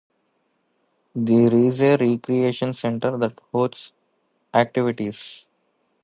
There is a recreation center that hosts activities.